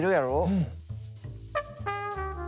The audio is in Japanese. うん。